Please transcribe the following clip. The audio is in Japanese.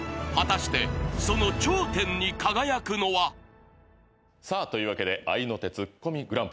［果たしてその頂点に輝くのは？］というわけで合いの手ツッコミＧＰ